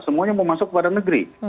semuanya mau masuk kepada negeri